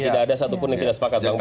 tidak ada satupun yang tidak sepakat bang